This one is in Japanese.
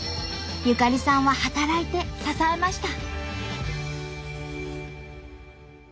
ゆかりさんは働いて支えました。